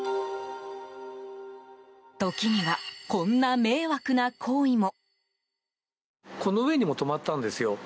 時には、こんな迷惑な行為も。